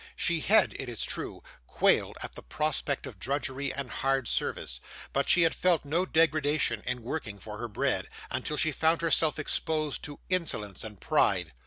She had, it is true, quailed at the prospect of drudgery and hard service; but she had felt no degradation in working for her bread, until she found herself exposed to insolence and pride.